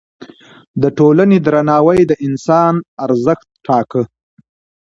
د ټولنې درناوی د انسان ارزښت ټاکه.